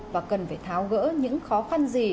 và cần phải tháo gỡ những khó khăn gì